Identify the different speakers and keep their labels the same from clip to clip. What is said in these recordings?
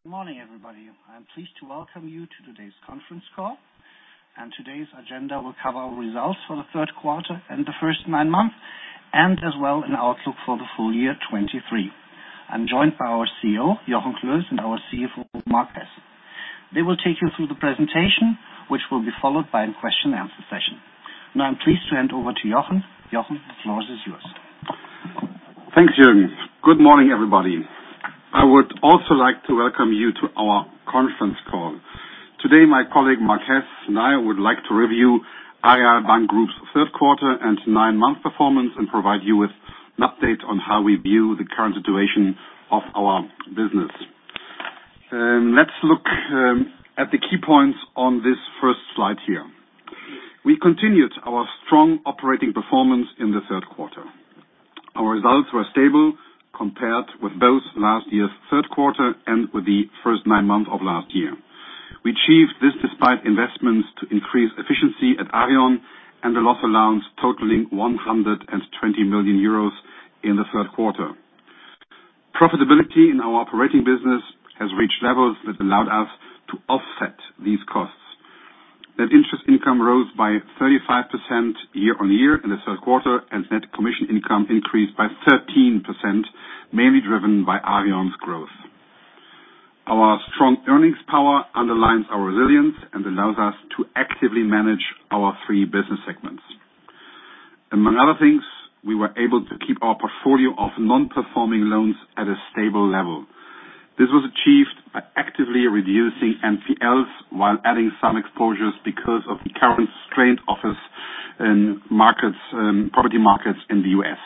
Speaker 1: Good morning, everybody. I'm pleased to welcome you to today's conference call, and today's agenda will cover our results for the third quarter and the first nine months, and as well, an outlook for the full year 2023. I'm joined by our CEO, Jochen Klösges, and our CFO, Marc Hess. They will take you through the presentation, which will be followed by a question-and-answer session. Now, I'm pleased to hand over to Jochen. Jochen, the floor is yours.
Speaker 2: Thank you, Jürgen. Good morning, everybody. I would also like to welcome you to our conference call. Today, my colleague, Marc Hess, and I would like to review Aareal Bank Group's Third Quarter and Nine-Month Performance and provide you with an update on how we view the current situation of our business. Let's look at the key points on this first slide here. We continued our strong operating performance in the third quarter. Our results were stable compared with both last year's third quarter and with the first nine months of last year. We achieved this despite investments to increase efficiency at Aareon and a loss allowance totaling 120 million euros in the third quarter. Profitability in our operating business has reached levels that allowed us to offset these costs. Net interest income rose by 35% year-on-year in the third quarter, and net commission income increased by 13%, mainly driven by Aareon's growth. Our strong earnings power underlines our resilience and allows us to actively manage our three business segments. Among other things, we were able to keep our portfolio of non-performing loans at a stable level. This was achieved by actively reducing NPLs while adding some exposures because of the current strained office markets, property markets in the U.S.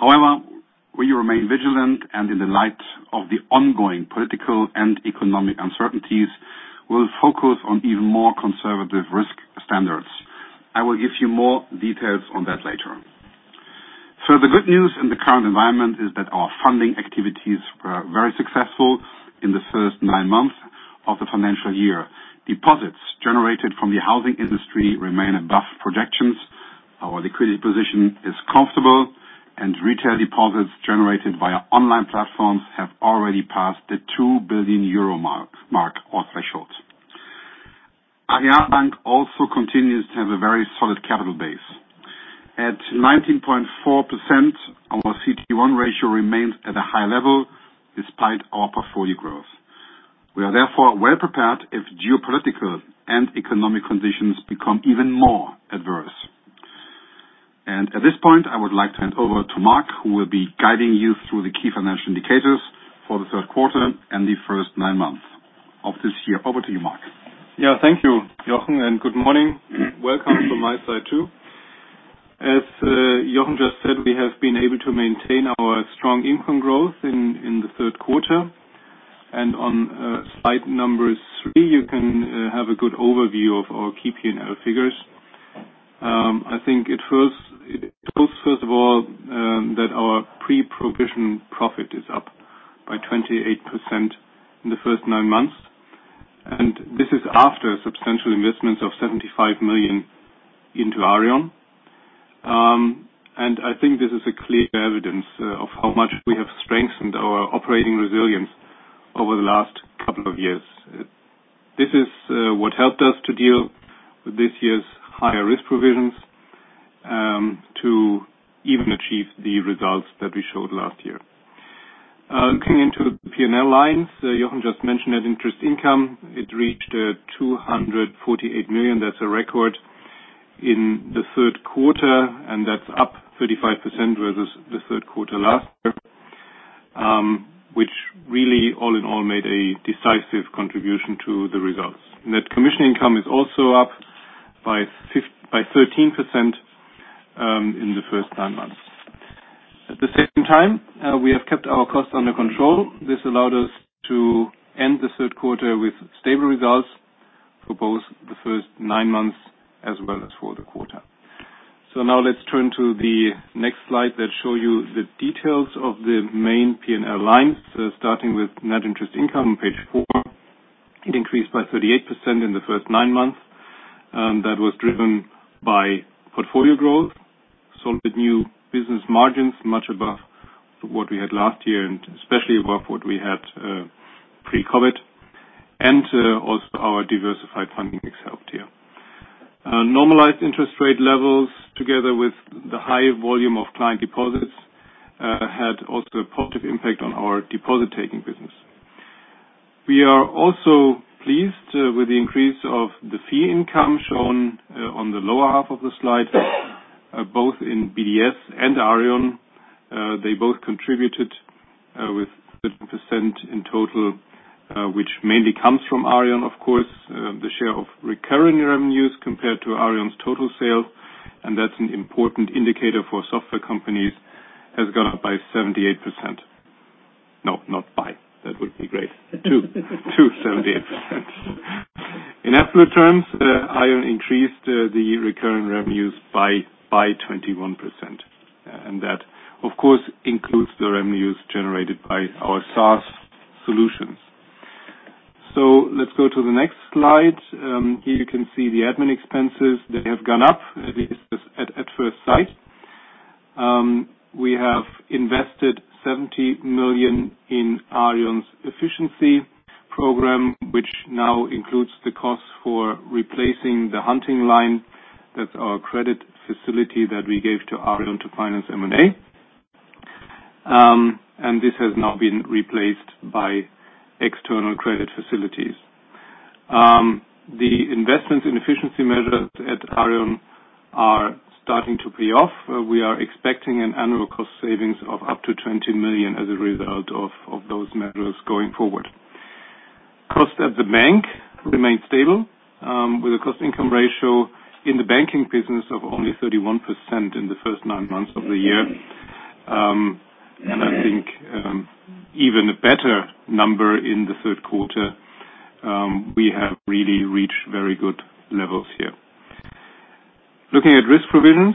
Speaker 2: However, we remain vigilant, and in the light of the ongoing political and economic uncertainties, we'll focus on even more conservative risk standards. I will give you more details on that later. So the good news in the current environment is that our funding activities were very successful in the first nine months of the financial year. Deposits generated from the housing industry remain above projections, our liquidity position is comfortable, and retail deposits generated by our online platforms have already passed the 2 billion euro mark, mark or threshold. Aareal Bank also continues to have a very solid capital base. At 19.4%, our CET1 ratio remains at a high level despite our portfolio growth. We are therefore well prepared if geopolitical and economic conditions become even more adverse. At this point, I would like to hand over to Marc, who will be guiding you through the key financial indicators for the third quarter and the first nine months of this year. Over to you, Marc.
Speaker 3: Yeah, thank you, Jochen, and good morning. Welcome from my side, too. As Jochen just said, we have been able to maintain our strong income growth in the third quarter. And on slide number three, you can have a good overview of our key P&L figures. I think it tells first of all that our pre-provision profit is up by 28% in the first nine months, and this is after substantial investments of 75 million into Aareon. And I think this is a clear evidence of how much we have strengthened our operating resilience over the last couple of years. This is what helped us to deal with this year's higher risk provisions to even achieve the results that we showed last year. Looking into the P&L lines, Jochen just mentioned net interest income. It reached 248 million. That's a record in the third quarter, and that's up 35% versus the third quarter last year, which really, all in all, made a decisive contribution to the results. Net commission income is also up by thirteen percent in the first nine months. At the same time, we have kept our costs under control. This allowed us to end the third quarter with stable results for both the first nine months as well as for the quarter. So now let's turn to the next slide that show you the details of the main P&L lines, starting with net interest income on page four. It increased by 38% in the first nine months, and that was driven by portfolio growth, solid new business margins, much above what we had last year and especially above what we had pre-COVID, and also our diversified funding mix helped here. Normalized interest rate levels, together with the high volume of client deposits, had also a positive impact on our deposit-taking business. We are also pleased with the increase of the fee income shown on the lower half of the slide, both in BDS and Aareon. They both contributed with 13% in total, which mainly comes from Aareon, of course. The share of recurring revenues compared to Aareon's total sales, and that's an important indicator for software companies, has gone up by 78%. No, not by. That would be great. To 78%. In absolute terms, Aareon increased the recurring revenues by 21%, and that, of course, includes the revenues generated by our SaaS solutions. So let's go to the next slide. Here you can see the admin expenses. They have gone up, at least at first sight. We have invested 70 million in Aareon's efficiency program, which now includes the cost for replacing the hunting line. That's our credit facility that we gave to Aareon to finance M&A. And this has now been replaced by external credit facilities. The investments in efficiency measures at Aareon are starting to pay off. We are expecting an annual cost savings of up to 20 million as a result of those measures going forward. Cost at the bank remained stable, with a cost income ratio in the banking business of only 31% in the first nine months of the year. I think even a better number in the third quarter; we have really reached very good levels here. Looking at risk provisions,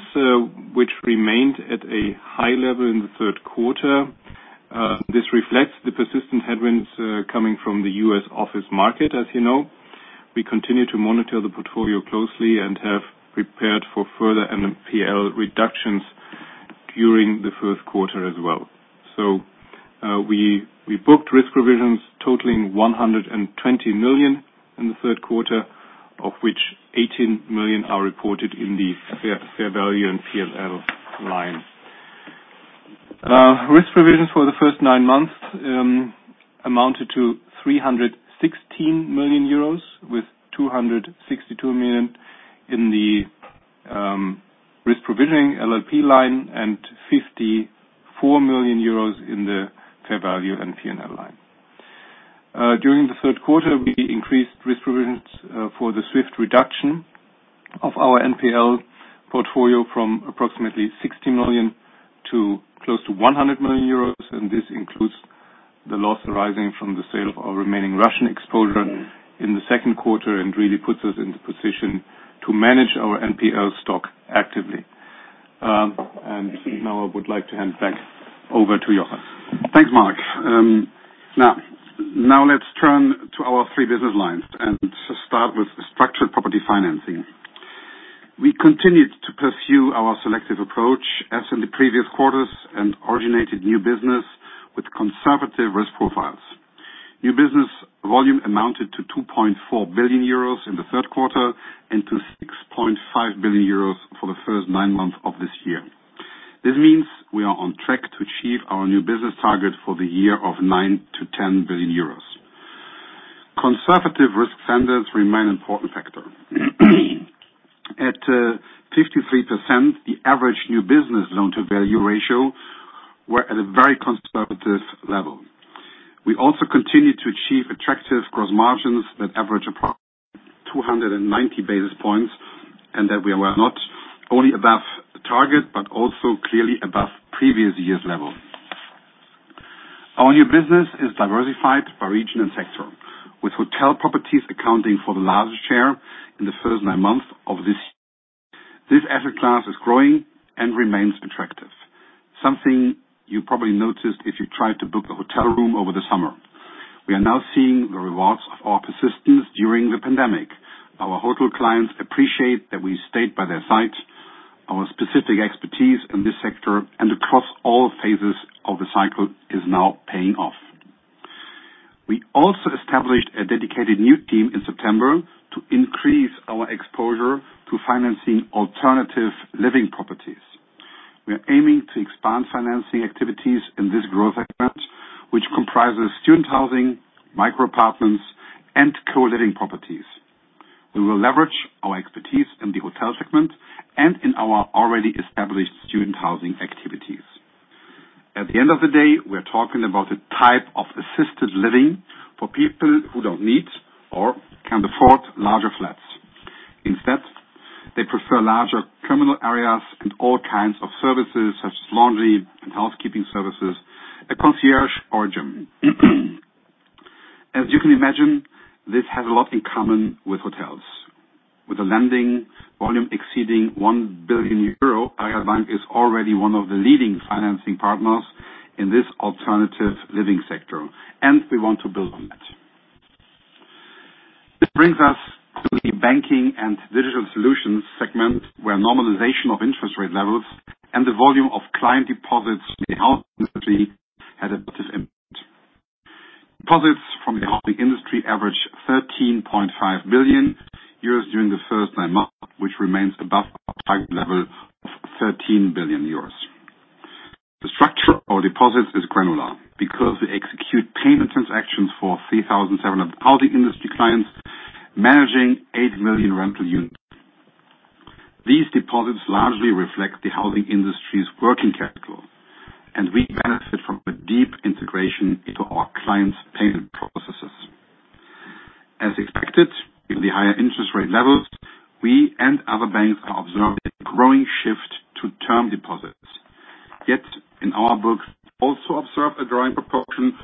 Speaker 3: which remained at a high level in the third quarter. This reflects the persistent headwinds coming from the U.S. office market, as you know. We continue to monitor the portfolio closely and have prepared for further NPL reductions during the first quarter as well. So we booked risk provisions totaling 120 million in the third quarter, of which 18 million are reported in the fair value and P&L line. Risk provisions for the first nine months amounted to 316 million euros, with 262 million in the risk provisioning LLP line, and 54 million euros in the fair value and P&L line. During the third quarter, we increased risk provisions for the swift reduction of our NPL portfolio from approximately 60 million to close to 100 million euros, and this includes the loss arising from the sale of our remaining Russian exposure in the second quarter, and really puts us in the position to manage our NPL stock actively. Now I would like to hand back over to Jochen.
Speaker 2: Thanks, Marc. Now let's turn to our three business lines, and to start with structured property financing. We continued to pursue our selective approach, as in the previous quarters, and originated new business with conservative risk profiles. New business volume amounted to 2.4 billion euros in the third quarter, and to 6.5 billion euros for the first nine months of this year. This means we are on track to achieve our new business target for the year of 9 billion-10 billion euros. Conservative risk standards remain an important factor. At 53%, the average new business loan-to-value ratio were at a very conservative level. We also continued to achieve attractive gross margins that average approximately 290 basis points, and that we were not only above target, but also clearly above previous years' level. Our new business is diversified by region and sector, with hotel properties accounting for the largest share in the first nine months of this year. This asset class is growing and remains attractive, something you probably noticed if you tried to book a hotel room over the summer. We are now seeing the rewards of our persistence during the pandemic. Our hotel clients appreciate that we stayed by their side. Our specific expertise in this sector and across all phases of the cycle is now paying off. We also established a dedicated new team in September to increase our exposure to financing alternative living properties. We are aiming to expand financing activities in this growth segment, which comprises student housing, micro apartments, and co-living properties. We will leverage our expertise in the hotel segment and in our already established student housing activities. At the end of the day, we're talking about a type of assisted living for people who don't need or can't afford larger flats. Instead, they prefer larger communal areas and all kinds of services, such as laundry and housekeeping services, a concierge, or a gym. As you can imagine, this has a lot in common with hotels. With a lending volume exceeding 1 billion euro, Aareal bank is already one of the leading financing partners in this alternative living sector, and we want to build on that. This brings us to the Banking and Digital Solutions segment, where normalization of interest rate levels and the volume of client deposits in-house had a positive impact. Deposits from the housing industry average 13.5 billion euros during the first nine months, which remains above our target level of 13 billion euros. The structure of deposits is granular, because we execute payment transactions for 3,700 housing industry clients managing 8 million rental units. These deposits largely reflect the housing industry's working capital, and we benefit from a deep integration into our clients' payment processes. As expected, with the higher interest rate levels, we and other banks are observing a growing shift to term deposits. Yet, in our books, we also observe a growing proportion of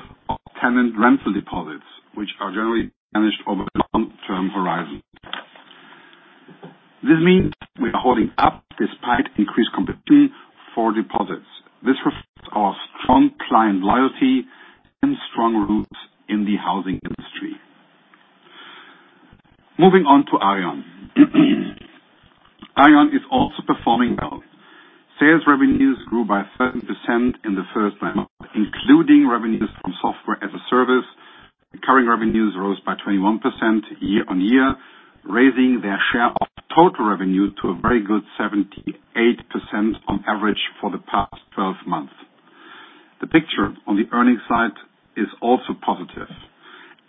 Speaker 2: tenant rental deposits, which are generally managed. This means we are holding up despite increased competition for deposits. This reflects our strong client loyalty and strong roots in the housing industry. Moving on to Aareon. Aareon is also performing well. Sales revenues grew by 13% in the first nine months, including revenues from software as a service. Recurring revenues rose by 21% year-on-year, raising their share of total revenue to a very good 78% on average for the past 12 months. The picture on the earnings side is also positive.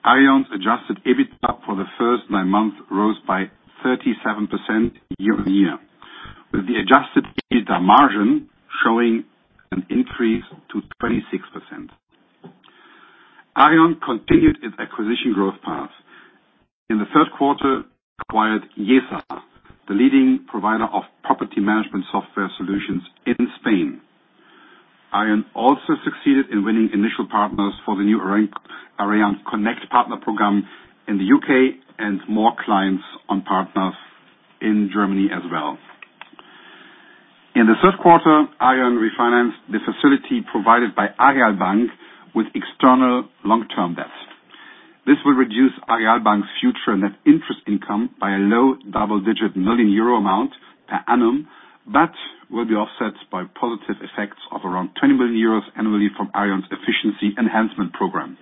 Speaker 2: Aareon's adjusted EBITDA for the first nine months rose by 37% year-on-year, with the adjusted EBITDA margin showing an increase to 26%. Aareon continued its acquisition growth path. In the third quarter, acquired IESA, the leading provider of property management software solutions in Spain. Aareon also succeeded in winning initial partners for the new Aareon Connect partner program in the U.K. and more clients on partners in Germany as well. In the third quarter, Aareon refinanced the facility provided by Aareal Bank with external long-term debt. This will reduce Aareal Bank's future net interest income by a low double-digit million EUR amount per annum, but will be offset by positive effects of around 20 million euros annually from Aareon's efficiency enhancement program.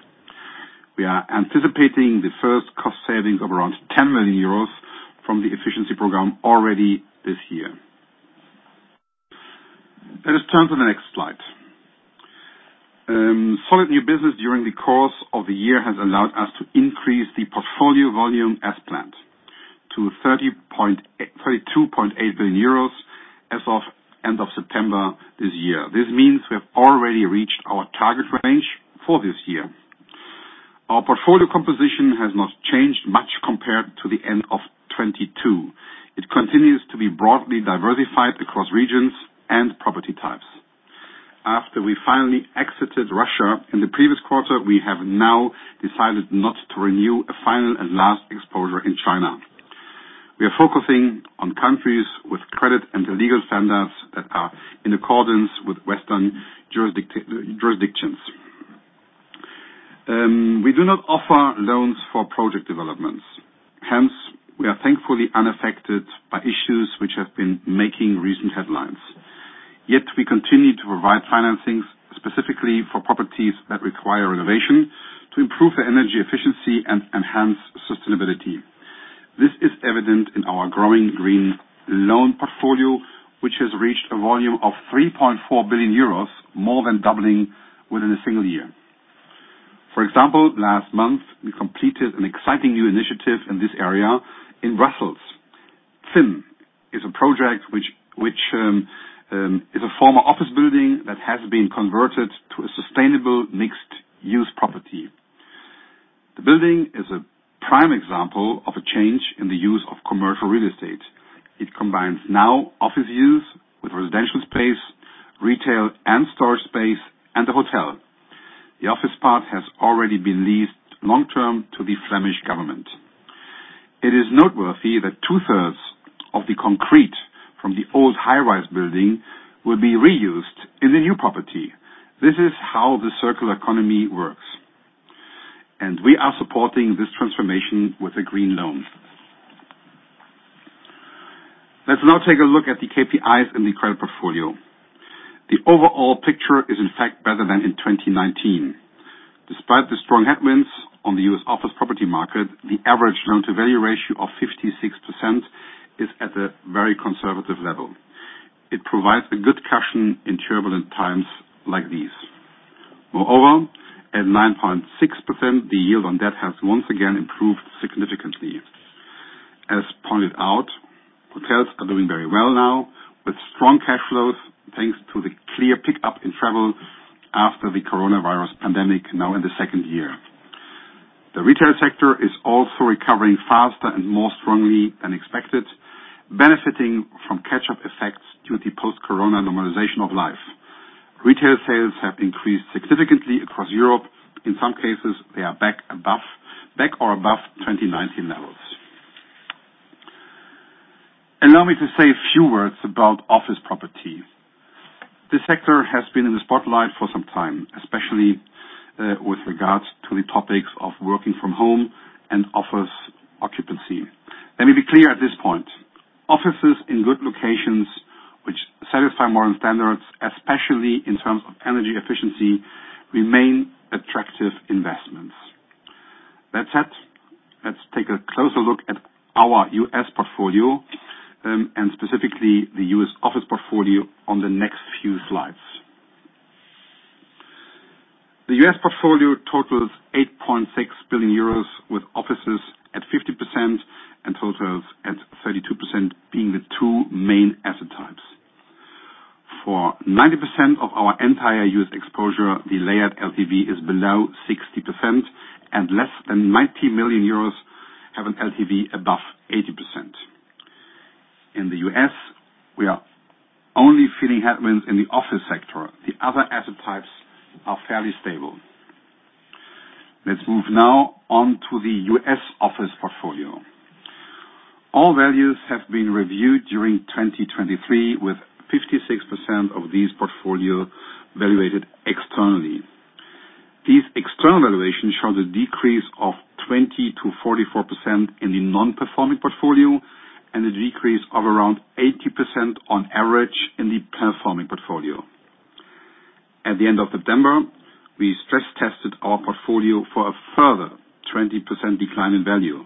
Speaker 2: We are anticipating the first cost savings of around 10 million euros from the efficiency program already this year. Let us turn to the next slide. Solid new business during the course of the year has allowed us to increase the portfolio volume as planned, to 32.8 billion euros as of end of September this year. This means we have already reached our target range for this year. Our portfolio composition has not changed much compared to the end of 2022. It continues to be broadly diversified across regions and property types. After we finally exited Russia in the previous quarter, we have now decided not to renew a final and last exposure in China. We are focusing on countries with credit and legal standards that are in accordance with Western jurisdictions. We do not offer loans for project developments, hence, we are thankfully unaffected by issues which have been making recent headlines. Yet we continue to provide financings, specifically for properties that require renovation, to improve their energy efficiency and enhance sustainability. This is evident in our growing green loan portfolio, which has reached a volume of 3.4 billion euros, more than doubling within a single year. For example, last month, we completed an exciting new initiative in this area in Brussels. Fynn is a project is a former office building that has been converted to a sustainable mixed-use property. The building is a prime example of a change in the use of commercial real estate. It combines now office use with residential space, retail and storage space, and a hotel. The office part has already been leased long-term to the Flemish government. It is noteworthy that two-thirds of the concrete from the old high-rise building will be reused in the new property. This is how the circular economy works, and we are supporting this transformation with a green loan. Let's now take a look at the KPIs in the credit portfolio. The overall picture is, in fact, better than in 2019. Despite the strong headwinds on the U.S. office property market, the average loan-to-value ratio of 56% is at a very conservative level. It provides a good cushion in turbulent times like these. Moreover, at 9.6%, the yield on debt has once again improved significantly. As pointed out, hotels are doing very well now, with strong cash flows, thanks to the clear pickup in travel after the coronavirus pandemic, now in the second year. The retail sector is also recovering faster and more strongly than expected, benefiting from catch-up effects due to the post-corona normalization of life. Retail sales have increased significantly across Europe. In some cases, they are back above or above 2019 levels. Allow me to say a few words about office property. This sector has been in the spotlight for some time, especially, with regards to the topics of working from home and office occupancy. Let me be clear at this point, offices in good locations which satisfy modern standards, especially in terms of energy efficiency, remain attractive investments. That said, let's take a closer look at our U.S. portfolio and specifically the U.S. office portfolio on the next few slides. The U.S. portfolio totals 8.6 billion euros, with offices at 50% and hotels at 32% being the two main asset types. For 90% of our entire U.S. exposure, the layered LTV is below 60%, and less than 90 million euros have an LTV above 80%. In the U.S., we are only feeling headwinds in the office sector. The other asset types are fairly stable. Let's move now on to the U.S. office portfolio. All values have been reviewed during 2023, with 56% of this portfolio valued externally. These external valuations show the decrease of 20%-44% in the non-performing portfolio and a decrease of around 80% on average in the performing portfolio. At the end of September, we stress-tested our portfolio for a further 20% decline in value.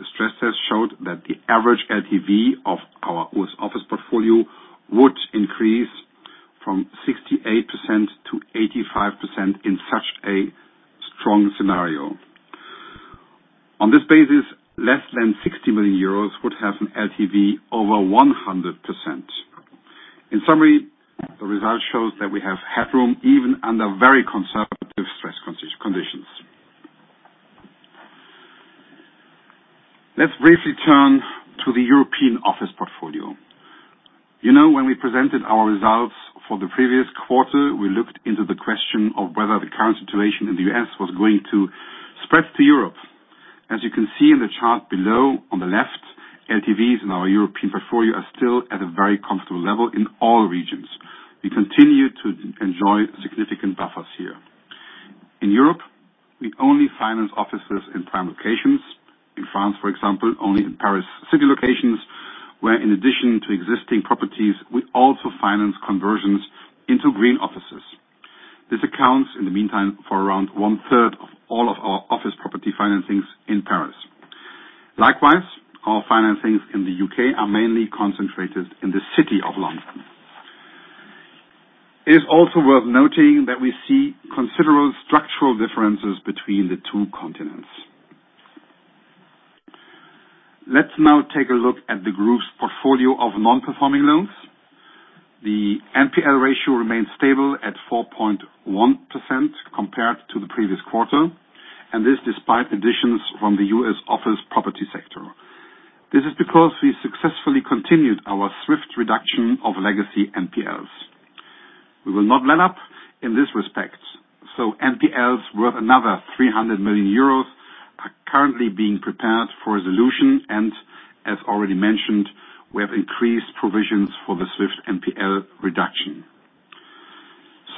Speaker 2: The stress test showed that the average LTV of our office portfolio would increase from 68% to 85% in such a strong scenario. On this basis, less than 60 million euros would have an LTV over 100%. In summary, the result shows that we have headroom, even under very conservative stress conditions. Let's briefly turn to the European office portfolio. You know, when we presented our results for the previous quarter, we looked into the question of whether the current situation in the U.S. was going to spread to Europe. As you can see in the chart below, on the left, LTVs in our European portfolio are still at a very comfortable level in all regions. We continue to enjoy significant buffers here. In Europe, we only finance offices in prime locations. In France, for example, only in Paris city locations, where in addition to existing properties, we also finance conversions into green offices. This accounts, in the meantime, for around 1/3 of all of our office property financings in Paris. Likewise, our financings in the U.K. are mainly concentrated in the city of London. It is also worth noting that we see considerable structural differences between the two continents. Let's now take a look at the group's portfolio of non-performing loans. The NPL ratio remains stable at 4.1% compared to the previous quarter, and this despite additions from the U.S. office property sector. This is because we successfully continued our swift reduction of legacy NPLs. We will not let up in this respect, so NPLs worth another 300 million euros are currently being prepared for resolution, and as already mentioned, we have increased provisions for the swift NPL reduction.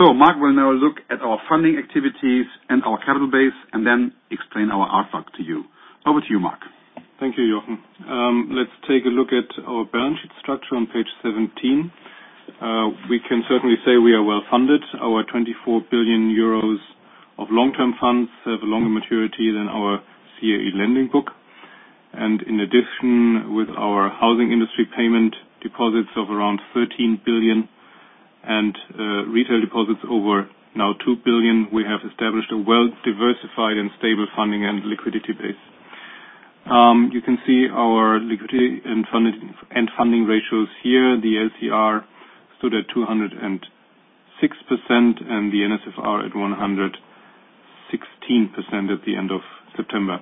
Speaker 2: Marc will now look at our funding activities and our capital base and then explain our outlook to you. Over to you, Marc.
Speaker 3: Thank you, Jochen. Let's take a look at our balance sheet structure on page 17. We can certainly say we are well-funded. Our 24 billion euros of long-term funds have a longer maturity than our CRE lending book. And in addition, with our housing industry payment deposits of around 13 billion and retail deposits over now 2 billion, we have established a well-diversified and stable funding and liquidity base. You can see our liquidity and funding, and funding ratios here. The LCR stood at 206%, and the NSFR at 116% at the end of September.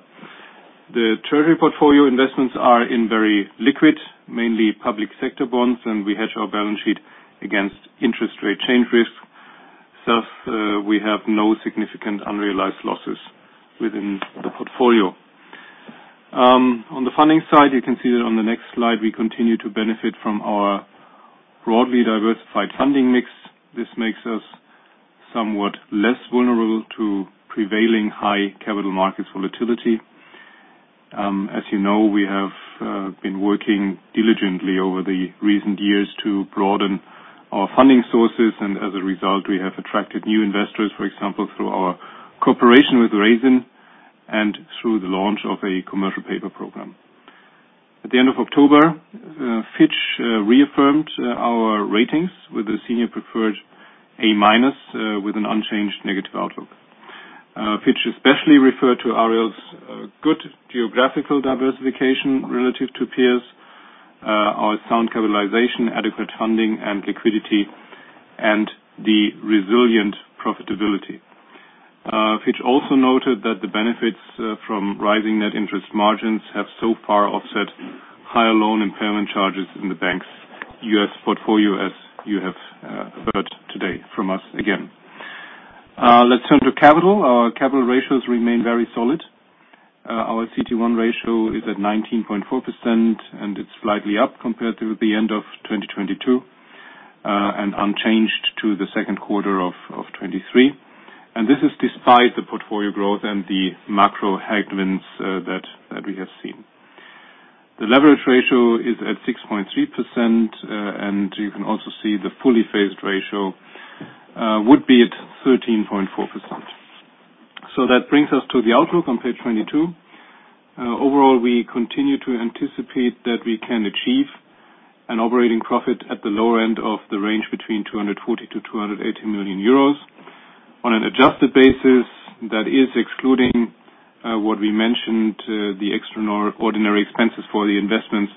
Speaker 3: The treasury portfolio investments are in very liquid, mainly public sector bonds, and we hedge our balance sheet against interest rate change risk. Thus, we have no significant unrealized losses within the portfolio. On the funding side, you can see that on the next slide, we continue to benefit from our broadly diversified funding mix. This makes us somewhat less vulnerable to prevailing high capital markets volatility. As you know, we have been working diligently over the recent years to broaden our funding sources, and as a result, we have attracted new investors, for example, through our cooperation with Raisin and through the launch of a commercial paper program. At the end of October, Fitch reaffirmed our ratings with a Senior Preferred A- with an unchanged negative outlook. Fitch especially referred to Aareon's good geographical diversification relative to peers, our sound capitalization, adequate funding and liquidity, and the resilient profitability. Fitch also noted that the benefits from rising net interest margins have so far offset higher loan impairment charges in the bank's U.S. portfolio, as you have heard today from us again. Let's turn to capital. Our capital ratios remain very solid. Our CET1 ratio is at 19.4%, and it's slightly up compared to the end of 2022, and unchanged to the second quarter of 2023. And this is despite the portfolio growth and the macro headwinds that we have seen. The leverage ratio is at 6.3%, and you can also see the fully phased ratio would be at 13.4%. So that brings us to the outlook on page 22. Overall, we continue to anticipate that we can achieve an operating profit at the lower end of the range, between 240 million-280 million euros. On an adjusted basis, that is excluding what we mentioned, the extraordinary expenses for the investments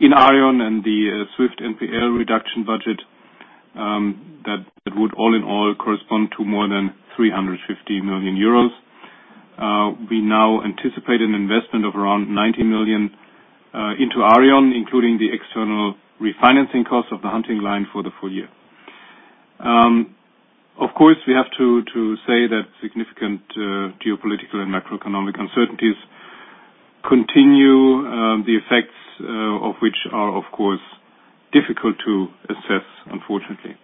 Speaker 3: in Aareon and the swift NPL reduction budget, that would all in all correspond to more than 350 million euros. We now anticipate an investment of around 90 million into Aareon, including the external refinancing cost of the hunting line for the full year. Of course, we have to say that significant geopolitical and macroeconomic uncertainties continue, the effects of which are, of course, difficult to assess, unfortunately.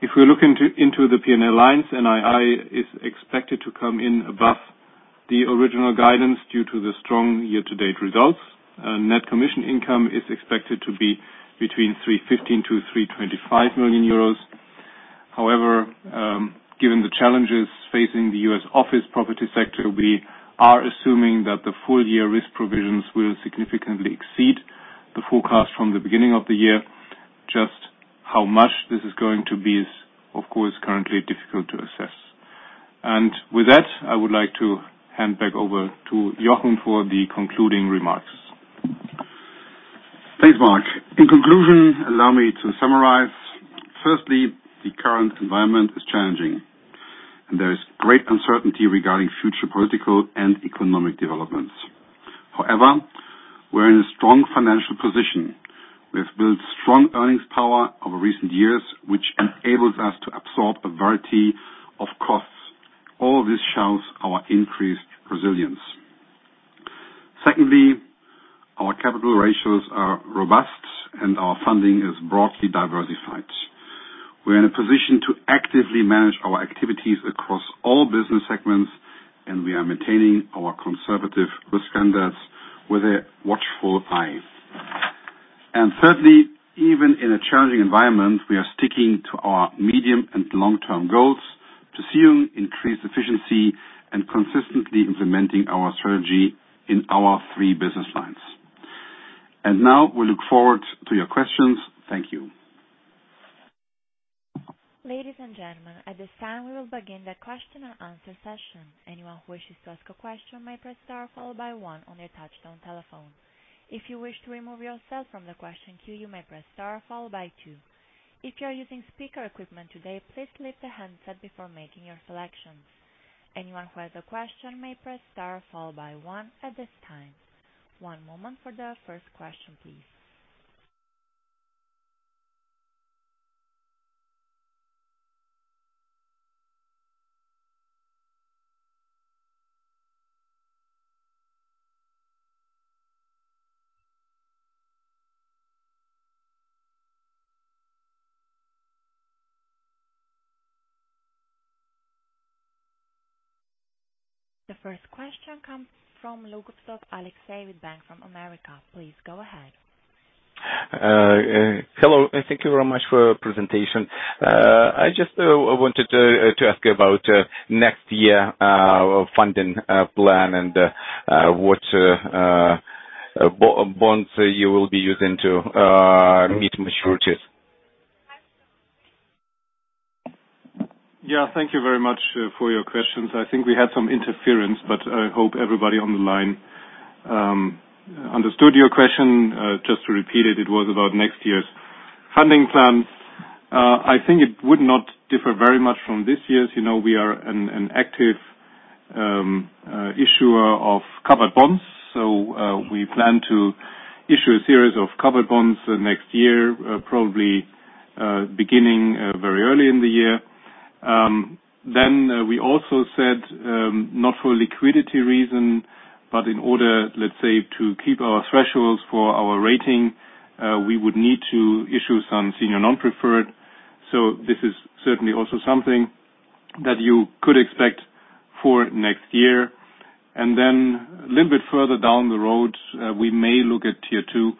Speaker 3: If we look into the P&L lines, NII is expected to come in above the original guidance due to the strong year-to-date results. Net commission income is expected to be between 315 million-325 million euros. However, given the challenges facing the U.S. office property sector, we are assuming that the full year risk provisions will significantly exceed the forecast from the beginning of the year. Just how much this is going to be is, of course, currently difficult to assess. And with that, I would like to hand back over to Jochen for the concluding remarks.
Speaker 2: Thanks, Marc. In conclusion, allow me to summarize. Firstly, the current environment is challenging, and there is great uncertainty regarding future political and economic developments. However, we're in a strong financial position. We have built strong earnings power over recent years, which enables us to absorb a variety of costs. All this shows our increased resilience. Secondly, our capital ratios are robust, and our funding is broadly diversified. We're in a position to actively manage our activities across all business segments, and we are maintaining our conservative risk standards with a watchful eye. And thirdly, even in a challenging environment, we are sticking to our medium and long-term goals to pursue increased efficiency and consistently implementing our strategy in our three business lines. And now we look forward to your questions. Thank you.
Speaker 4: Ladies and gentlemen, at this time, we will begin the question and answer session. Anyone who wishes to ask a question may press star followed by one on their touchtone telephone. If you wish to remove yourself from the question queue, you may press star followed by two. If you're using speaker equipment today, please leave the handset before making your selections. Anyone who has a question may press star followed by one at this time. One moment for the first question, please. The first question comes from Lougovtsov Alexei with Bank of America. Please go ahead.
Speaker 5: Hello, and thank you very much for your presentation. I just wanted to ask you about next year funding plan, and what bonds you will be using to meet maturities?
Speaker 3: Yeah, thank you very much for your questions. I think we had some interference, but I hope everybody on the line understood your question. Just to repeat it, it was about next year's funding plans. I think it would not differ very much from this year's. You know, we are an active issuer of covered bonds, so we plan to issue a series of covered bonds next year, probably beginning very early in the year. Then we also said, not for liquidity reason, but in order, let's say, to keep our thresholds for our rating, we would need to issue some Senior Non-Preferred. So this is certainly also something that you could expect for next year. Then a little bit further down the road, we may look at Tier II,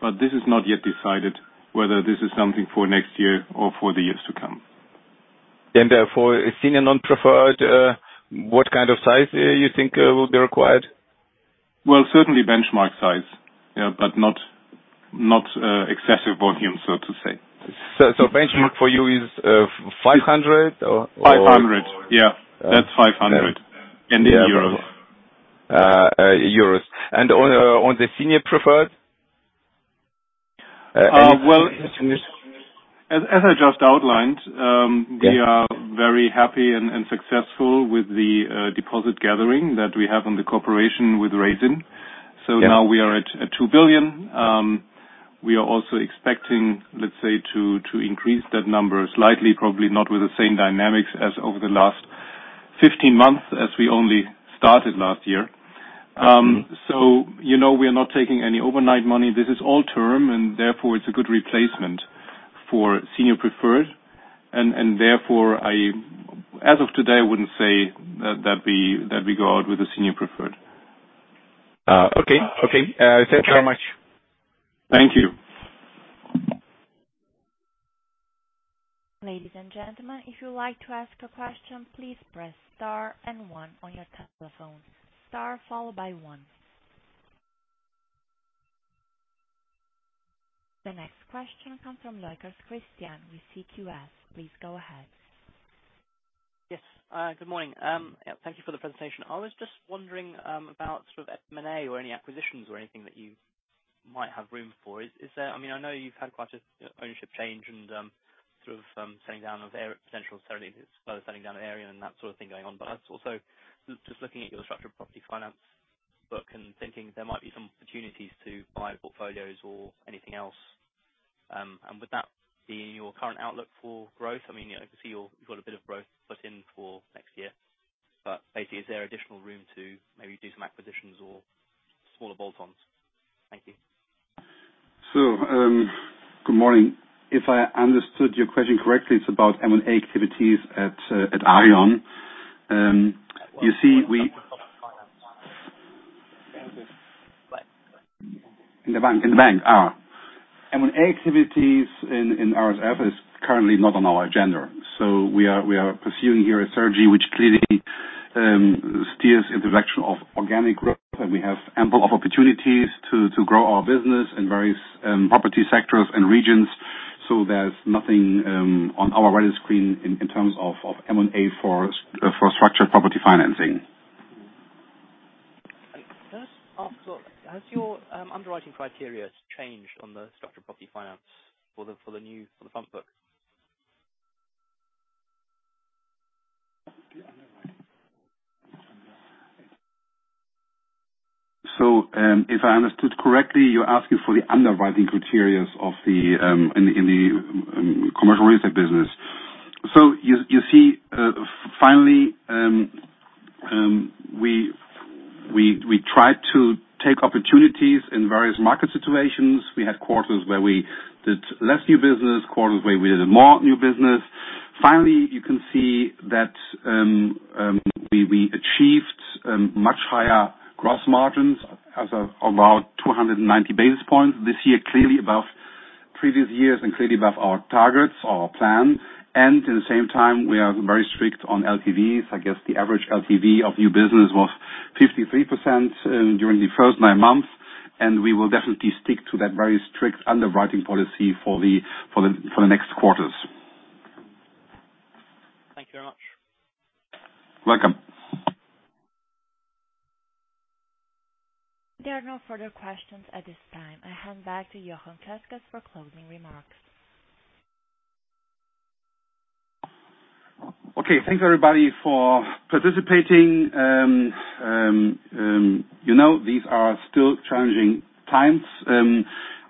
Speaker 3: but this is not yet decided whether this is something for next year or for the years to come.
Speaker 5: Therefore, a Senior Non-Preferred, what kind of size you think will be required?
Speaker 3: Well, certainly benchmark size, yeah, but not excessive volume, so to say.
Speaker 5: So, benchmark for you is 500 or?
Speaker 3: 500. Yeah, that's 500.
Speaker 5: Euros. On the Senior Preferred, and-
Speaker 3: Well, as I just outlined, we are very happy and successful with the deposit gathering that we have on the cooperation with Raisin. So now we are at 2 billion. We are also expecting, let's say, to increase that number slightly, probably not with the same dynamics as over the last 15 months, as we only started last year. So, you know, we are not taking any overnight money. This is all term, and therefore it's a good replacement for Senior Preferred. And therefore, as of today, I wouldn't say that we go out with a Senior Preferred.
Speaker 5: Okay. Okay.
Speaker 3: Okay.
Speaker 5: Thank you very much.
Speaker 3: Thank you.
Speaker 4: Ladies and gentlemen, if you would like to ask a question, please press star and one on your telephone. star followed by one. The next question comes from Christian Leukers with CQS. Please go ahead.
Speaker 6: Yes, good morning. Yeah, thank you for the presentation. I was just wondering about sort of M&A or any acquisitions or anything that you might have room for. Is there... I mean, I know you've had quite a ownership change and sort of setting down of potential territories, rather setting down area and that sort of thing going on. But I was also just looking at your structured property finance book and thinking there might be some opportunities to buy portfolios or anything else. And would that be in your current outlook for growth? I mean, I can see you've got a bit of growth put in for next year, but basically, is there additional room to maybe do some acquisitions or smaller bolt-ons? Thank you.
Speaker 2: So, good morning. If I understood your question correctly, it's about M&A activities at Aareon. You see, in the bank, in the bank. M&A activities in SPF is currently not on our agenda. So we are pursuing here a strategy which clearly steers in the direction of organic growth, and we have ample of opportunities to grow our business in various property sectors and regions. So there's nothing on our radar screen in terms of M&A for structured property financing.
Speaker 6: Can I just ask, so has your underwriting criteria changed on the structured property financing for the new fund book?
Speaker 2: So, if I understood correctly, you're asking for the underwriting criteria of the commercial real estate business. So you see, finally, we tried to take opportunities in various market situations. We had quarters where we did less new business, quarters where we did more new business. Finally, you can see that we achieved much higher gross margins as of about 290 basis points this year, clearly above previous years and clearly above our targets, our plan. At the same time, we are very strict on LTVs. I guess, the average LTV of new business was 53% during the first nine months, and we will definitely stick to that very strict underwriting policy for the next quarters.
Speaker 6: Thank you very much.
Speaker 2: Welcome.
Speaker 4: There are no further questions at this time. I hand back to Jochen Klösges for closing remarks.
Speaker 2: Okay. Thank you, everybody, for participating. You know, these are still challenging times.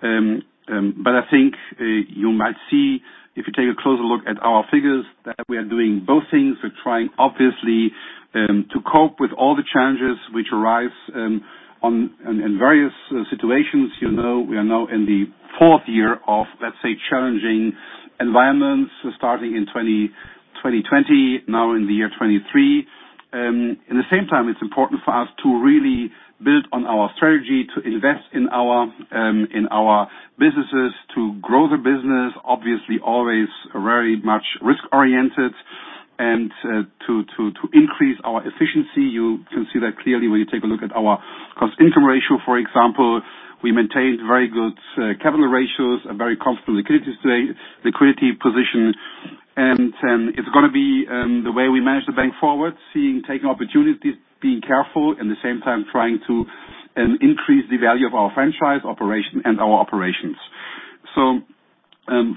Speaker 2: But I think you might see, if you take a closer look at our figures, that we are doing both things. We're trying, obviously, to cope with all the challenges which arise in various situations. You know, we are now in the fourth year of, let's say, challenging environments, starting in 2020, now in the year 2023. At the same time, it's important for us to really build on our strategy to invest in our businesses, to grow the business, obviously, always very much risk-oriented, and to increase our efficiency. You can see that clearly when you take a look at our cost-income ratio, for example. We maintained very good capital ratios, a very comfortable liquidity position. And it's gonna be the way we manage the bank forward, seeing, taking opportunities, being careful, in the same time, trying to increase the value of our franchise operation and our operations. So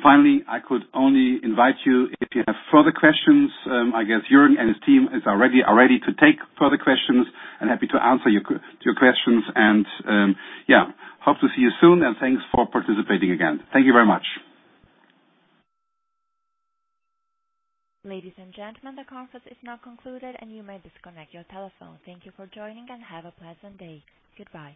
Speaker 2: finally, I could only invite you if you have further questions. I guess Jochen and his team are ready to take further questions and happy to answer your questions. And yeah, hope to see you soon, and thanks for participating again. Thank you very much.
Speaker 4: Ladies and gentlemen, the conference is now concluded, and you may disconnect your telephone. Thank you for joining, and have a pleasant day. Goodbye.